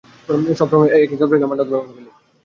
সবসময় এইসব কাজে আমার নখ ভেঙ্গে ফেলি।